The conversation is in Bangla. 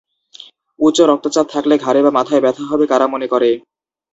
উচ্চ রক্তচাপ থাকলে ঘাড়ে বা মাথায় ব্যথা হবে কারা মনে করে?